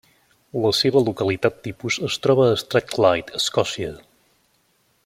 La seva localitat tipus es troba a Strathclyde, Escòcia.